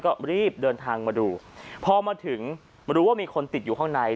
ก็รีบเดินทางมาดูพอมาถึงรู้ว่ามีคนติดอยู่ข้างใน